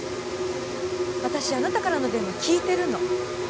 私あなたからの電話聞いてるの。